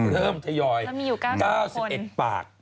เริ่มทยอย๙๑ปาก